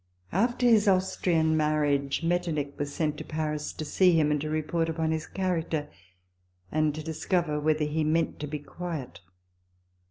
After his Austrian marriage, Metternich was sent to Paris to see him, and to report upon his character, and to discover whether he meant to be quiet.